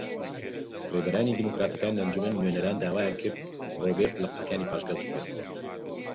ڕێبەرانی دیموکراتەکان لە ئەنجومەنی نوێنەران داوایان کرد ڕۆبێرت لە قسەکانی پاشگەز ببێتەوە